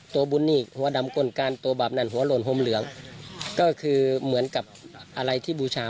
ตัวบุญนี่หัวดำกลกันตัวบาปนั่นหัวหล่นห่มเหลืองก็คือเหมือนกับอะไรที่บูชา